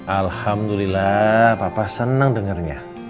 alhamdulillah papa seneng dengernya